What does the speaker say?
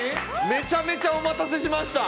めちゃめちゃお待たせしました。